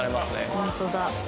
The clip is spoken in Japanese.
ホントだ。